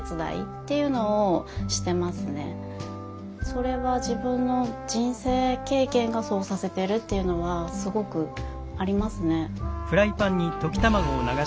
それは自分の人生経験がそうさせてるっていうのはすごくありますね。